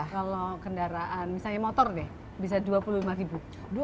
kalau kendaraan misalnya motor deh bisa dua puluh lima ribu